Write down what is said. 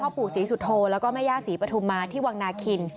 ปู่ศรีสุโธแล้วก็แม่ย่าศรีปฐุมมาที่วังนาคิน